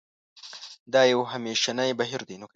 دا یو همېشنی بهیر دی.